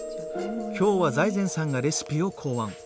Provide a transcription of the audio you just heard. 今日は財前さんがレシピを考案。